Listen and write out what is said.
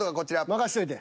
任しといて。